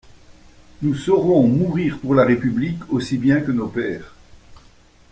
Nous saurons mourir pour la République aussi bien que nos pères!